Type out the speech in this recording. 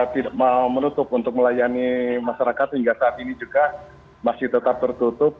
tidak mau menutup untuk melayani masyarakat hingga saat ini juga masih tetap tertutup